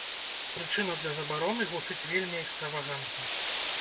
Прычына для забароны гучыць вельмі экстравагантна.